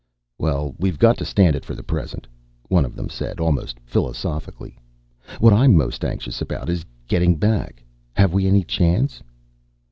"Well, we've got to stand it for the present," one of them said almost philosophically. "What I'm most anxious about is getting back. Have we any chance?"